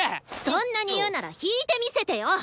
そんなに言うなら弾いて見せてよ。